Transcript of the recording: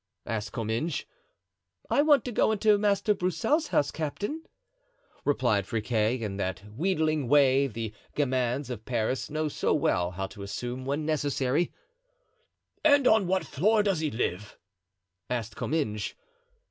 asked Comminges. "I want to go into Master Broussel's house, captain," replied Friquet, in that wheedling way the "gamins" of Paris know so well how to assume when necessary. "And on what floor does he live?" asked Comminges.